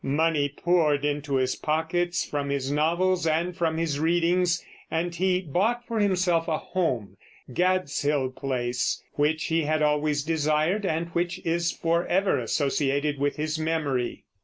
Money poured into his pockets from his novels and from his readings, and he bought for himself a home, Gadshill Place, which he had always desired, and which is forever associated with his memory.